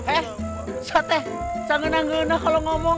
eh sateh jangan enak enak kalau ngomong